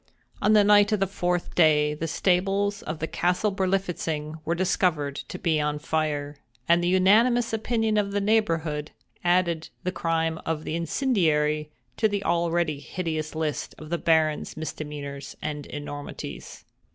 On the night of the fourth day, the stables of the castle Berlifitzing were discovered to be on fire; and the unanimous opinion of the neighborhood added the crime of the incendiary to the already hideous list of the Baron's misdemeanors and enormities.